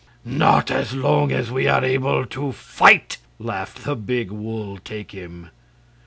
"Not as long as we are able to fight," laughed the big Wul Takim.